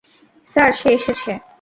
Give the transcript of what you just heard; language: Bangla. স্যার, সে এসেছে।